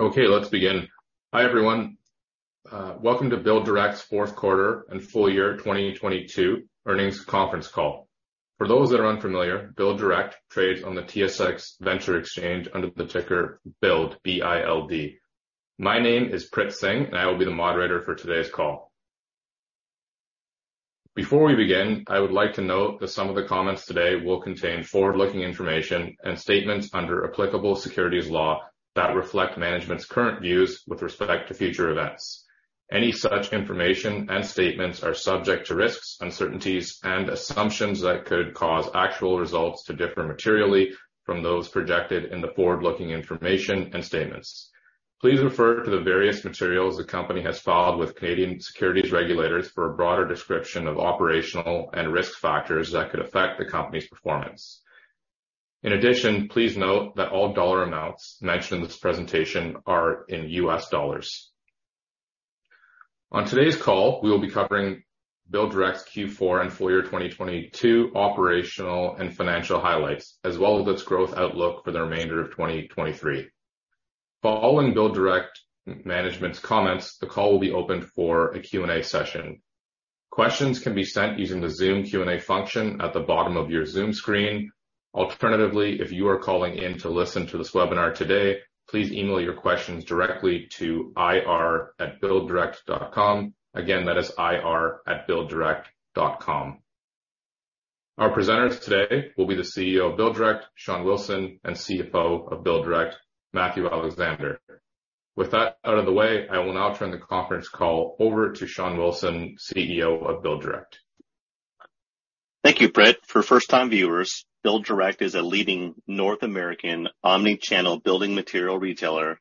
Okay, let's begin. Hi, everyone. Welcome to BuildDirect's fourth quarter and full year 2022 earnings conference call. For those that are unfamiliar, BuildDirect trades on the TSX Venture Exchange under the ticker BILD, B-I-L-D. My name is Prit Singh. I will be the moderator for today's call. Before we begin, I would like to note that some of the comments today will contain forward-looking information and statements under applicable securities law that reflect management's current views with respect to future events. Any such information and statements are subject to risks, uncertainties and assumptions that could cause actual results to differ materially from those projected in the forward-looking information and statements. Please refer to the various materials the company has filed with Canadian securities regulators for a broader description of operational and risk factors that could affect the company's performance. In addition, please note that all dollar amounts mentioned in this presentation are in US dollars. On today's call, we will be covering BuildDirect's Q4 and full year 2022 operational and financial highlights, as well as its growth outlook for the remainder of 2023. Following BuildDirect management's comments, the call will be opened for a Q&A session. Questions can be sent using the Zoom Q&A function at the bottom of your Zoom screen. Alternatively, if you are calling in to listen to this webinar today, please email your questions directly to ir@builddirect.com. Again, that is ir@builddirect.com. Our presenters today will be the CEO of BuildDirect, Shawn Wilson, and CFO of BuildDirect, Matt Alexander. With that out of the way, I will now turn the conference call over to Shawn Wilson, CEO of BuildDirect. Thank you, Prit. For first-time viewers, BuildDirect is a leading North American omnichannel building material retailer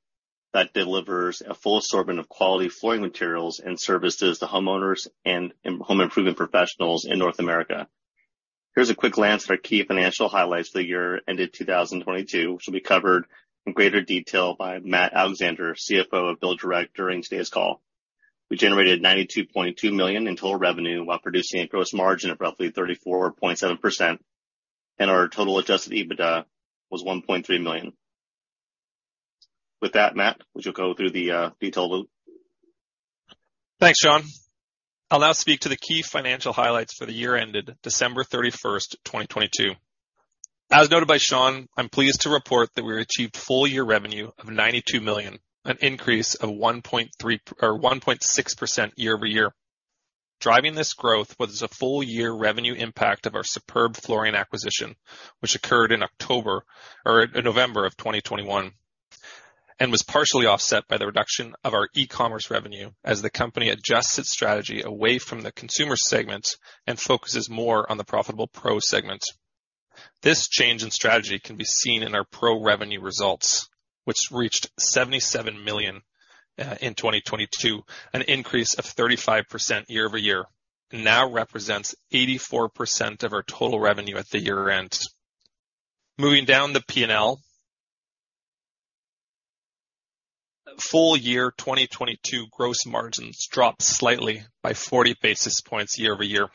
that delivers a full assortment of quality flooring materials and services to homeowners and home improvement professionals in North America. Here's a quick glance at our key financial highlights for the year ended 2022, which will be covered in greater detail by Matt Alexander, CFO of BuildDirect, during today's call. We generated $92.2 million in total revenue while producing a gross margin of roughly 34.7%, and our total Adjusted EBITDA was $1.3 million. With that, Matt, would you go through the detailed loop? Thanks, Shawn. I'll now speak to the key financial highlights for the year ended December 31st, 2022. As noted by Shawn, I'm pleased to report that we achieved full year revenue of $92 million, an increase of 1.3% or 1.6% year-over-year. Driving this growth was a full year revenue impact of our Superb Flooring acquisition, which occurred in October or November of 2021, and was partially offset by the reduction of our e-commerce revenue as the company adjusts its strategy away from the consumer segment and focuses more on the profitable pro segment. This change in strategy can be seen in our pro revenue results, which reached $77 million in 2022, an increase of 35% year-over-year, and now represents 84% of our total revenue at the year-end. Moving down the P&L. Full year 2022 gross margins dropped slightly by 40 basis points year-over-year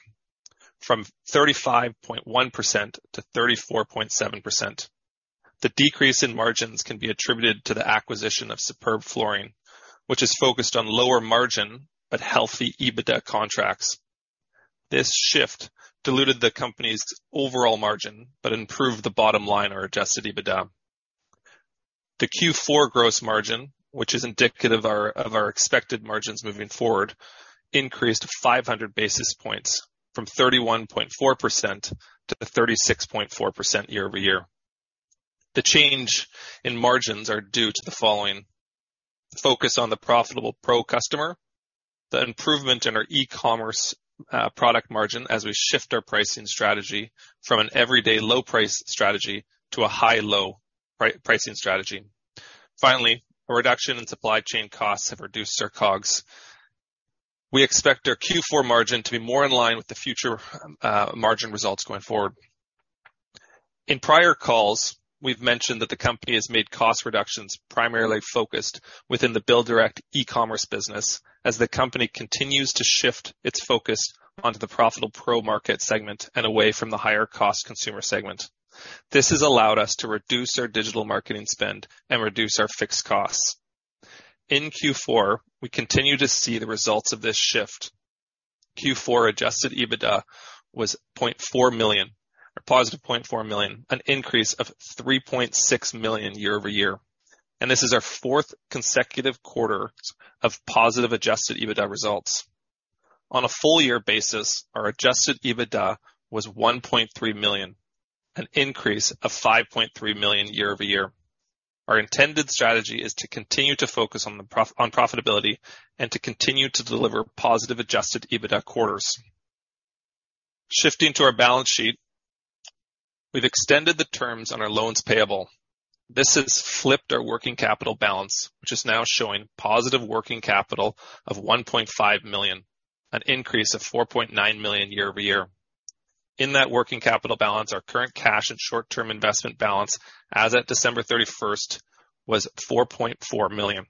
from 35.1% to 34.7%. The decrease in margins can be attributed to the acquisition of Superb Flooring, which is focused on lower margin but healthy EBITDA contracts. This shift diluted the company's overall margin, but improved the bottom line or Adjusted EBITDA. The Q4 gross margin, which is indicative of our expected margins moving forward, increased 500 basis points from 31.4% to 36.4% year-over-year. The change in margins are due to the following: Focus on the profitable pro customer, the improvement in our e-commerce product margin as we shift our pricing strategy from an everyday low price strategy to a high-low pricing strategy. Finally, a reduction in supply chain costs have reduced our COGS. We expect our Q4 margin to be more in line with the future, margin results going forward. In prior calls, we've mentioned that the company has made cost reductions primarily focused within the BuildDirect e-commerce business as the company continues to shift its focus onto the profitable pro market segment and away from the higher cost consumer segment. This has allowed us to reduce our digital marketing spend and reduce our fixed costs. In Q4, we continue to see the results of this shift. Q4 Adjusted EBITDA was positive $0.4 million, an increase of $3.6 million year-over-year. This is our fourth consecutive quarter of positive Adjusted EBITDA results. On a full year basis, our Adjusted EBITDA was $1.3 million, an increase of $5.3 million year-over-year. Our intended strategy is to continue to focus on profitability and to continue to deliver positive Adjusted EBITDA quarters. Shifting to our balance sheet, we've extended the terms on our loans payable. This has flipped our working capital balance, which is now showing positive working capital of $1.5 million, an increase of $4.9 million year-over-year. In that working capital balance, our current cash and short-term investment balance as at December 31st was $4.4 million.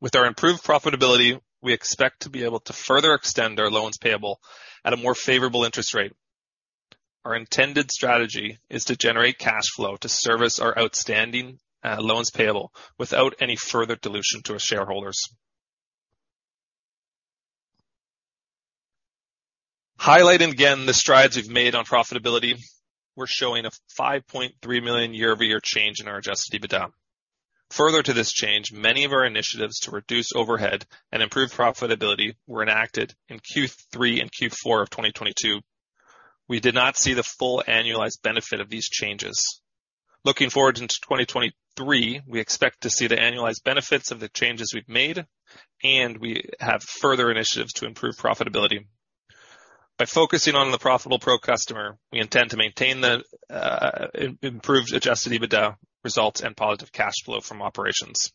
With our improved profitability, we expect to be able to further extend our loans payable at a more favorable interest rate. Our intended strategy is to generate cash flow to service our outstanding loans payable without any further dilution to our shareholders. Highlighting again the strides we've made on profitability, we're showing a $5.3 million year-over-year change in our Adjusted EBITDA. Further to this change, many of our initiatives to reduce overhead and improve profitability were enacted in Q3 and Q4 of 2022. We did not see the full annualized benefit of these changes. Looking forward into 2023, we expect to see the annualized benefits of the changes we've made, and we have further initiatives to improve profitability. By focusing on the profitable pro customer, we intend to maintain the improved Adjusted EBITDA results and positive cash flow from operations.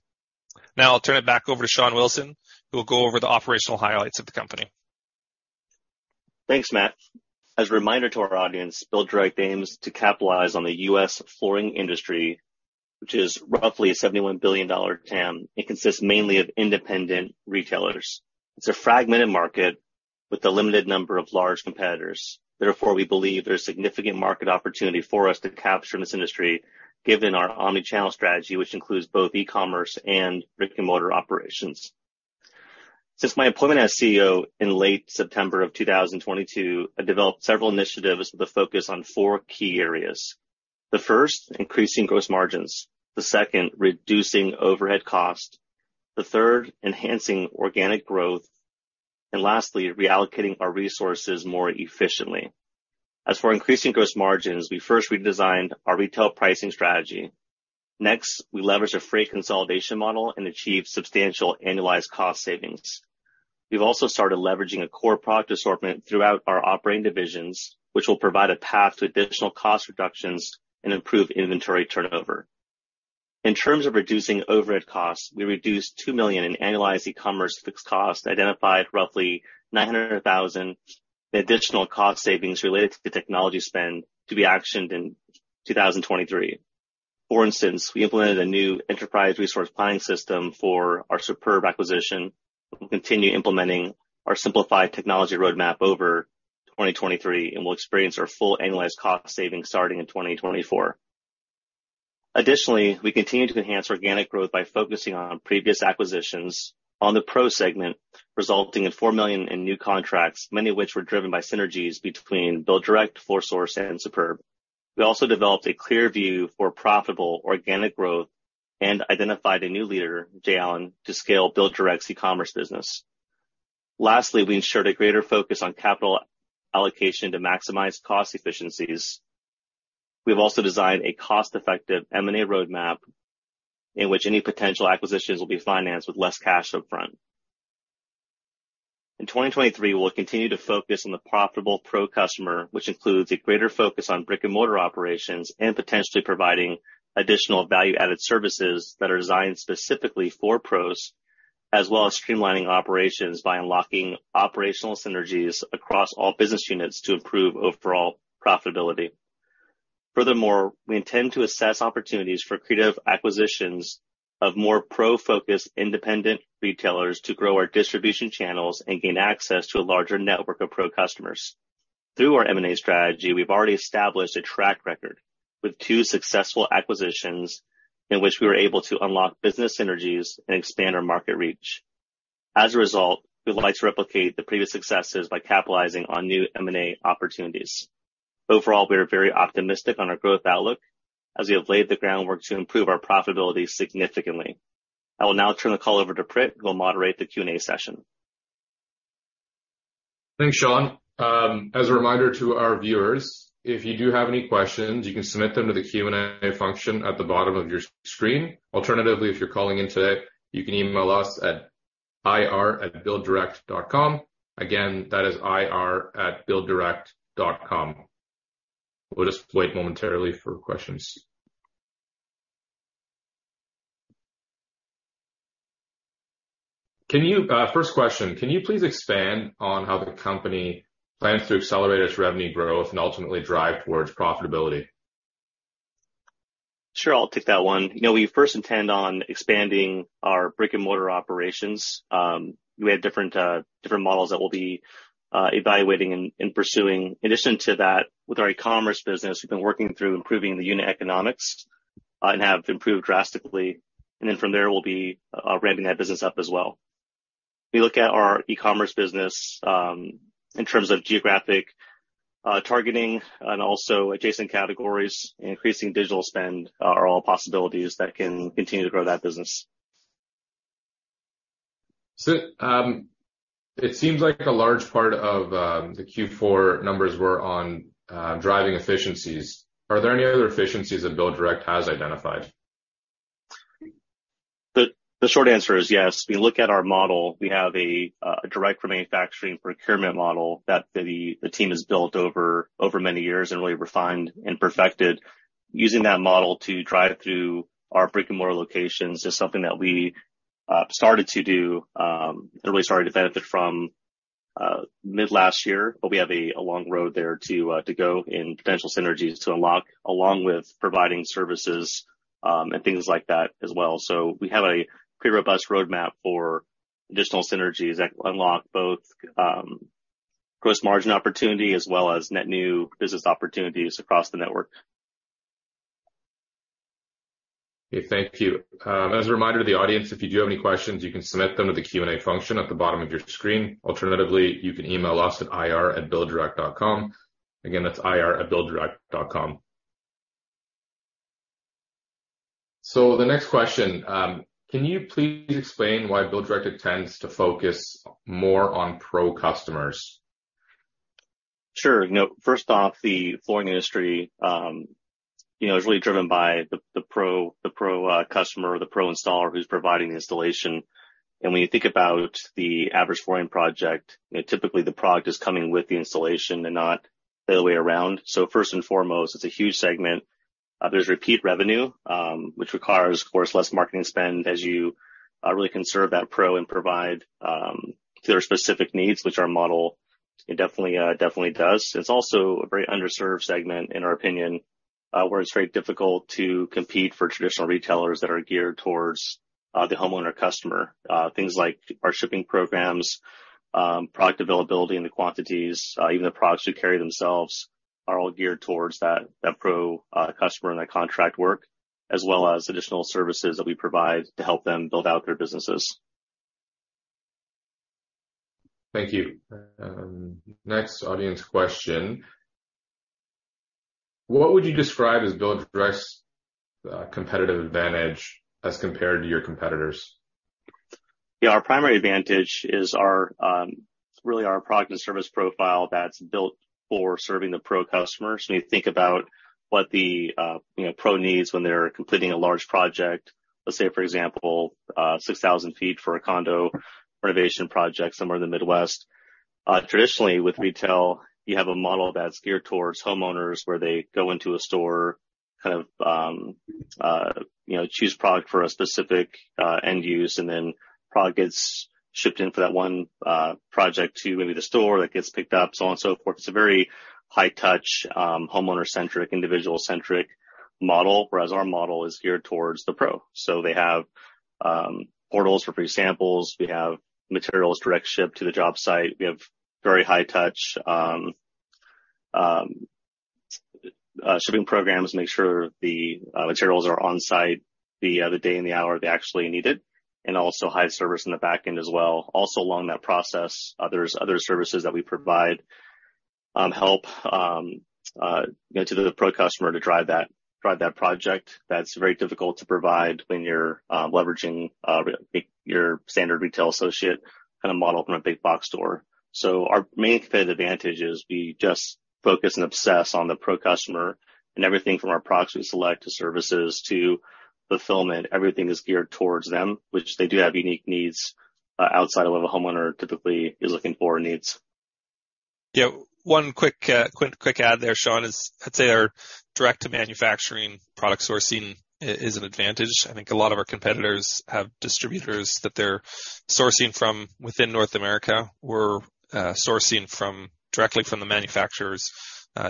Now I'll turn it back over to Shawn Wilson, who will go over the operational highlights of the company. Thanks, Matt. As a reminder to our audience, BuildDirect aims to capitalize on the U.S. flooring industry, which is roughly a $71 billion TAM. It consists mainly of independent retailers. It's a fragmented market with a limited number of large competitors. We believe there's significant market opportunity for us to capture in this industry given our omnichannel strategy, which includes both e-commerce and brick-and-mortar operations. Since my employment as CEO in late September 2022, I developed several initiatives with a focus on four key areas. The first, increasing gross margins, the second, reducing overhead cost, the third, enhancing organic growth, and lastly, reallocating our resources more efficiently. As for increasing gross margins, we first redesigned our retail pricing strategy. We leveraged a freight consolidation model and achieved substantial annualized cost savings. We've also started leveraging a core product assortment throughout our operating divisions, which will provide a path to additional cost reductions and improve inventory turnover. In terms of reducing overhead costs, we reduced $2 million in annualized e-commerce fixed costs, identified roughly $900,000 in additional cost savings related to the technology spend to be actioned in 2023. For instance, we implemented a new enterprise resource planning system for our Superb acquisition. We'll continue implementing our simplified technology roadmap over 2023, and we'll experience our full annualized cost savings starting in 2024. Additionally, we continue to enhance organic growth by focusing on previous acquisitions on the pro segment, resulting in $4 million in new contracts, many of which were driven by synergies between BuildDirect, FloorSource, and Superb. We also developed a clear view for profitable organic growth and identified a new leader, Jay Allen, to scale BuildDirect's e-commerce business. Lastly, we ensured a greater focus on capital allocation to maximize cost efficiencies. We have also designed a cost-effective M&A roadmap in which any potential acquisitions will be financed with less cash upfront. In 2023, we'll continue to focus on the profitable pro customer, which includes a greater focus on brick-and-mortar operations and potentially providing additional value-added services that are designed specifically for pros, as well as streamlining operations by unlocking operational synergies across all business units to improve overall profitability. Furthermore, we intend to assess opportunities for creative acquisitions of more pro-focused independent retailers to grow our distribution channels and gain access to a larger network of pro customers. Through our M&A strategy, we've already established a track record with two successful acquisitions in which we were able to unlock business synergies and expand our market reach. As a result, we'd like to replicate the previous successes by capitalizing on new M&A opportunities. Overall, we are very optimistic on our growth outlook as we have laid the groundwork to improve our profitability significantly. I will now turn the call over to Prit, who will moderate the Q&A session. Thanks, Shawn. As a reminder to our viewers, if you do have any questions, you can submit them to the Q&A function at the bottom of your screen. Alternatively, if you're calling in today, you can email us at ir@builddirect.com. Again, that is ir@builddirect.com. We'll just wait momentarily for questions. First question. Can you please expand on how the company plans to accelerate its revenue growth and ultimately drive towards profitability? Sure, I'll take that one. You know, we first intend on expanding our brick-and-mortar operations. We have different models that we'll be evaluating and pursuing. In addition to that, with our e-commerce business, we've been working through improving the unit economics and have improved drastically. From there, we'll be ramping that business up as well. We look at our e-commerce business in terms of geographic targeting and also adjacent categories, increasing digital spend are all possibilities that can continue to grow that business. It seems like a large part of the Q4 numbers were on driving efficiencies. Are there any other efficiencies that BuildDirect has identified? The short answer is yes. We look at our model. We have a direct manufacturing procurement model that the team has built over many years and really refined and perfected. Using that model to drive through our brick-and-mortar locations is something that we started to do and really started to benefit from mid last year. We have a long road there to go and potential synergies to unlock along with providing services and things like that as well. We have a pretty robust roadmap for additional synergies that unlock both gross margin opportunity as well as net new business opportunities across the network. Okay, thank you. As a reminder to the audience, if you do have any questions, you can submit them to the Q&A function at the bottom of your screen. Alternatively, you can email us at ir@BuildDirect.com. Again, that's ir@BuildDirect.com. The next question, can you please explain why BuildDirect tends to focus more on pro customers? Sure. You know, first off, the flooring industry, you know, is really driven by the pro customer or the pro installer who's providing the installation. When you think about the average flooring project, you know, typically the product is coming with the installation and not the other way around. First and foremost, it's a huge segment. There's repeat revenue, which requires, of course, less marketing spend as you really can serve that pro and provide to their specific needs, which our model, it definitely does. It's also a very underserved segment, in our opinion, where it's very difficult to compete for traditional retailers that are geared towards the homeowner customer. Things like our shipping programs, product availability and the quantities, even the products we carry themselves are all geared towards that pro customer and that contract work, as well as additional services that we provide to help them build out their businesses. Thank you. next audience question: What would you describe as BuildDirect's, competitive advantage as compared to your competitors? Our primary advantage is our really our product and service profile that's built for serving the pro customer. When you think about what the you know, pro needs when they're completing a large project, let's say, for example, 6,000 feet for a condo renovation project somewhere in the Midwest. Traditionally with retail, you have a model that's geared towards homeowners, where they go into a store, kind of, you know, choose product for a specific end use, and then product gets shipped in for that one project to maybe the store that gets picked up, so on and so forth. It's a very high touch, homeowner-centric, individual-centric model, whereas our model is geared towards the pro. They have portals for free samples. We have materials direct shipped to the job site. We have very high touch, shipping programs, make sure the materials are on site the day and the hour they actually need it, and also high service in the back end as well. Also along that process, there's other services that we provide, you know, to the pro customer to drive that project that's very difficult to provide when you're leveraging your standard retail associate kind of model from a big box store. Our main competitive advantage is we just focus and obsess on the pro customer and everything from our products we select to services to fulfillment. Everything is geared towards them, which they do have unique needs outside of what a homeowner typically is looking for or needs. Yeah. One quick add there, Shawn, is I'd say our direct to manufacturing product sourcing is an advantage. I think a lot of our competitors have distributors that they're sourcing from within North America. We're sourcing directly from the manufacturers,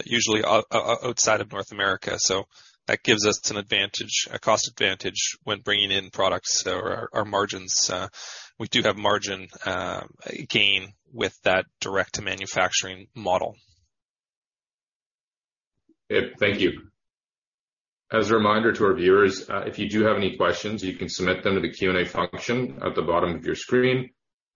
usually outside of North America. That gives us an advantage, a cost advantage when bringing in products or our margins. We do have margin gain with that direct to manufacturing model. Thank you. As a reminder to our viewers, if you do have any questions, you can submit them to the Q&A function at the bottom of your screen.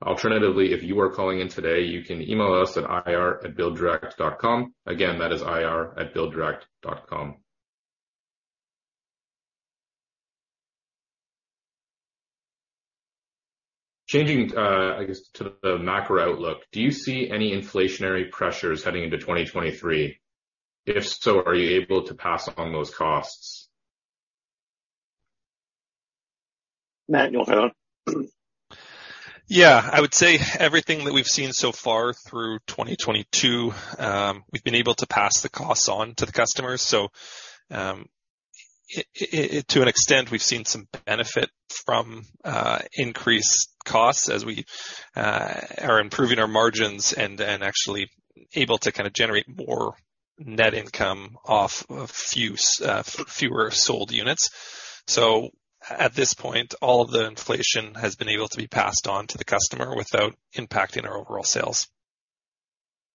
Alternatively, if you are calling in today, you can email us at ir@builddirect.com. Again, that is ir@builddirect.com. Changing, I guess to the macro outlook, do you see any inflationary pressures heading into 2023? If so, are you able to pass on those costs? Matt, you wanna go? I would say everything that we've seen so far through 2022, we've been able to pass the costs on to the customers. To an extent, we've seen some benefit from increased costs as we are improving our margins and then actually able to kind of generate more net income off a few fewer sold units. At this point, all of the inflation has been able to be passed on to the customer without impacting our overall sales.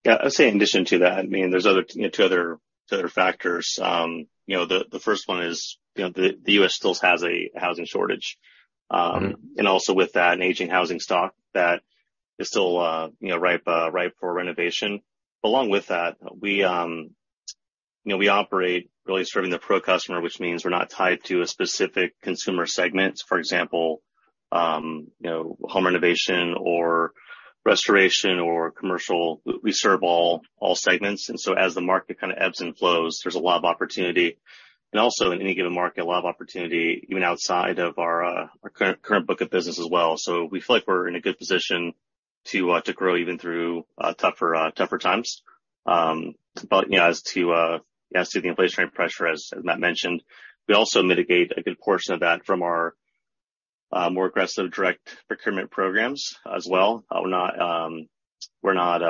Yeah. I'd say in addition to that, I mean, there's other, you know, two other factors. you know, the first one is, you know, the US still has a housing shortage. Also with that, an aging housing stock that is still, you know, ripe for renovation. Along with that, we, you know, we operate really serving the pro customer, which means we're not tied to a specific consumer segment. For example, you know, home renovation or restoration or commercial. We serve all segments. As the market kind of ebbs and flows, there's a lot of opportunity. Also in any given market, a lot of opportunity even outside of our current book of business as well. We feel like we're in a good position to grow even through tougher times. You know, as to the inflationary pressure, as Matt mentioned, we also mitigate a good portion of that from our more aggressive direct procurement programs as well. We're not, we're not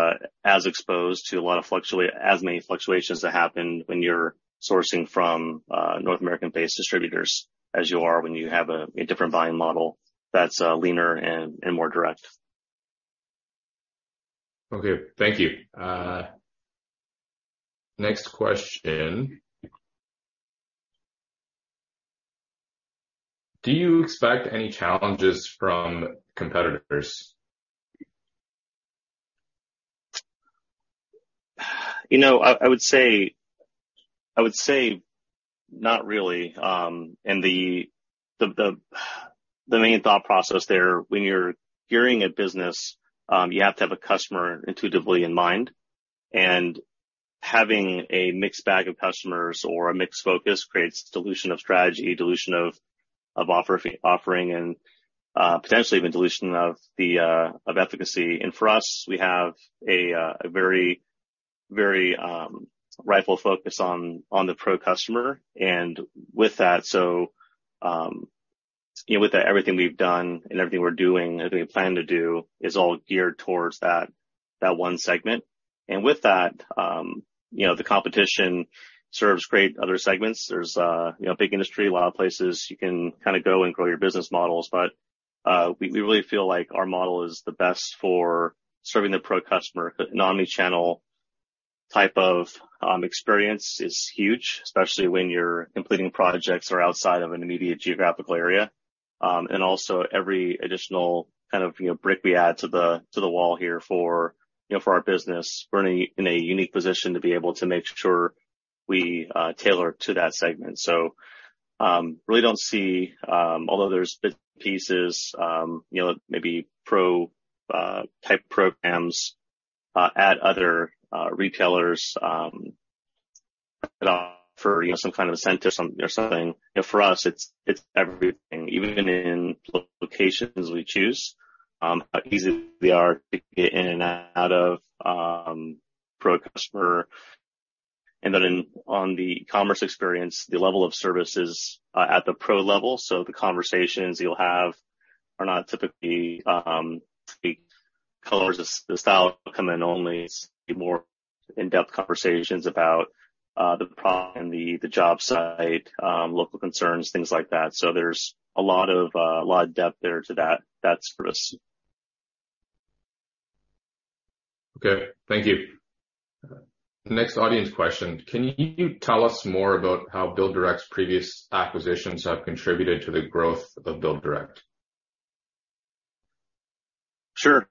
as exposed to as many fluctuations that happen when you're sourcing from North American-based distributors as you are when you have a different buying model that's leaner and more direct. Okay, thank you. Next question. Do you expect any challenges from competitors? You know, I would say not really. The main thought process there, when you're gearing a business, you have to have a customer intuitively in mind. Having a mixed bag of customers or a mixed focus creates dilution of strategy, dilution of offering, and potentially even dilution of efficacy. For us, we have a very, very rightful focus on the pro customer, and with that, so, you know, with that everything we've done and everything we're doing, everything we plan to do is all geared towards that one segment. With that, you know, the competition serves great other segments. There's a, you know, big industry, a lot of places you can kind of go and grow your business models. We really feel like our model is the best for serving the pro customer. An omnichannel type of experience is huge, especially when you're completing projects or outside of an immediate geographical area. Every additional kind of, you know, brick we add to the wall here for, you know, for our business, we're in a unique position to be able to make sure we tailor to that segment. Really don't see, although there's bit pieces, you know, maybe pro type programs at other retailers that offer, you know, some kind of incentive or something. You know, for us, it's everything. Even in locations we choose, how easy they are to get in and out of, pro customer. On the commerce experience, the level of service is at the pro level, so the conversations you'll have are not typically the colors, the style come in only be more in-depth conversations about the problem, the job site, local concerns, things like that. There's a lot of, a lot of depth there to that service. Okay. Thank you. Next audience question: Can you tell us more about how BuildDirect's previous acquisitions have contributed to the growth of BuildDirect? Sure.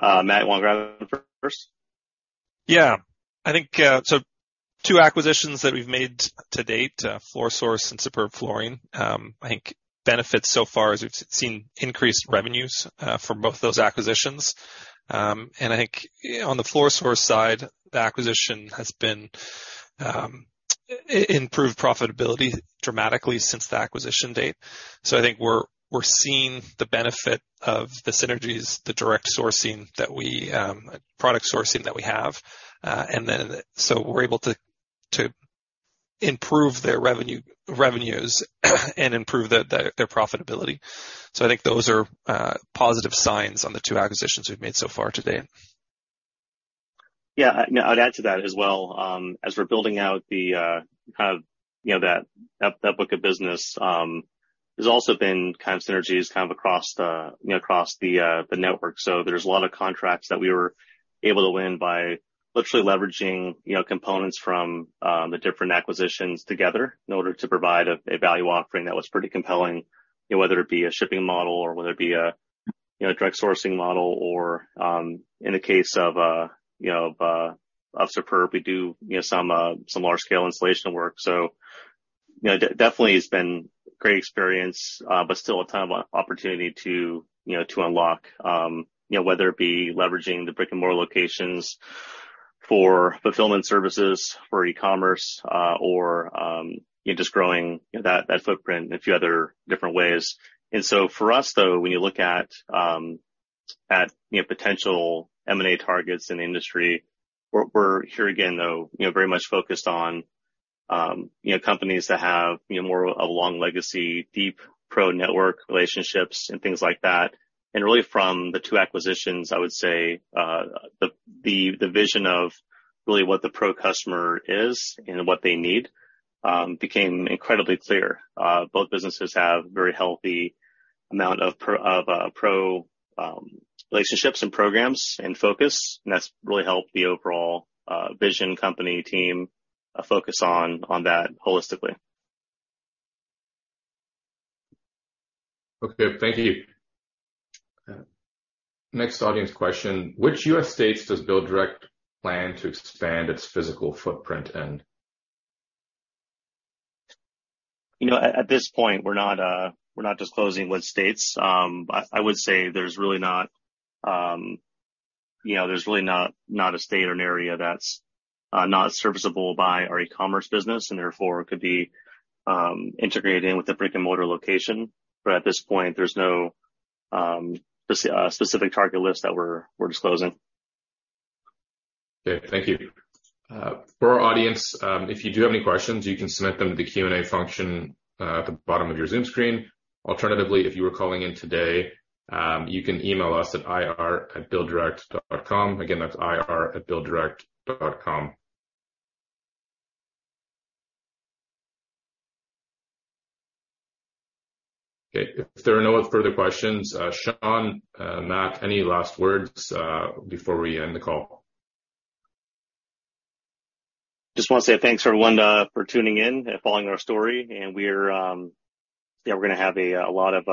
Matt, you wanna grab that one first? Yeah. I think, two acquisitions that we've made to date, FloorSource and Superb Flooring, I think benefits so far is we've seen increased revenues from both those acquisitions. I think on the FloorSource side, the acquisition has been improved profitability dramatically since the acquisition date. I think we're seeing the benefit of the synergies, the direct sourcing that we product sourcing that we have. We're able to improve their revenues and improve their profitability. I think those are positive signs on the two acquisitions we've made so far to date. Yeah. No, I'd add to that as well. As we're building out the kind of, you know, that book of business, there's also been kind of synergies kind of across the, you know, across the network. There's a lot of contracts that we were able to win by literally leveraging, you know, components from the different acquisitions together in order to provide a value offering that was pretty compelling. You know, whether it be a shipping model or whether it be a, you know, direct sourcing model or in the case of, you know, of Superb, we do, you know, some large scale installation work. You know, definitely has been great experience, but still a ton of opportunity to, you know, to unlock, you know, whether it be leveraging the brick-and-mortar locations for fulfillment services, for e-commerce, or, you know, just growing that footprint in a few other different ways. For us, though, when you look at, you know, potential M&A targets in the industry, we're here again, though, you know, very much focused on, you know, companies that have, you know, more of a long legacy, deep pro network relationships and things like that. Really from the two acquisitions, I would say, the vision of really what the pro customer is and what they need, became incredibly clear. Both businesses have very healthy amount of relationships and programs and focus, and that's really helped the overall vision company team focus on that holistically. Okay. Thank you. Next audience question: Which U.S. states does BuildDirect plan to expand its physical footprint in? You know, at this point, we're not disclosing what states. I would say there's really not, you know, there's really not a state or an area that's not serviceable by our e-commerce business, and therefore could be integrated in with the brick-and-mortar location. At this point, there's no specific target list that we're disclosing. Okay. Thank you. For our audience, if you do have any questions, you can submit them to the Q&A function, at the bottom of your Zoom screen. Alternatively, if you are calling in today, you can email us at ir@BuildDirect.com. Again, that's ir@BuildDirect.com. Okay, if there are no other further questions, Shawn, Matt, any last words, before we end the call? Just wanna say thanks, everyone, for tuning in and following our story. We're, yeah, we're gonna have a lot of,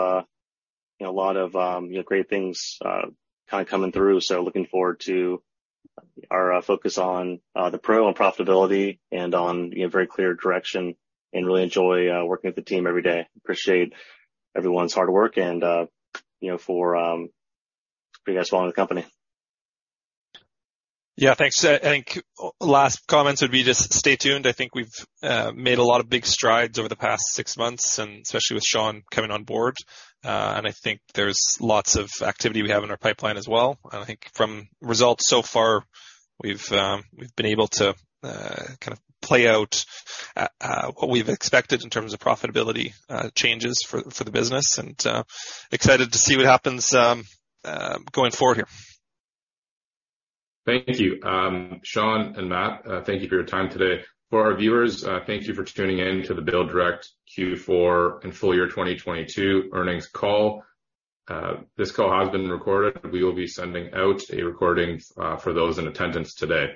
you know, a lot of, you know, great things kind of coming through, so looking forward to our focus on the pro and profitability and on, you know, very clear direction and really enjoy working with the team every day. Appreciate everyone's hard work and, you know, for you guys following the company. Yeah. Thanks. I think last comments would be just stay tuned. I think we've made a lot of big strides over the past six months and especially with Shawn coming on board. I think there's lots of activity we have in our pipeline as well. I think from results so far, we've been able to kind of play out what we've expected in terms of profitability changes for the business and excited to see what happens going forward here. Thank you. Shawn and Matt, thank you for your time today. For our viewers, thank you for tuning in to the BuildDirect Q4 and full year 2022 earnings call. This call has been recorded. We will be sending out a recording for those in attendance today.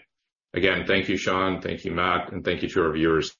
Again, thank you, Shawn, thank you, Matt, and thank you to our viewers.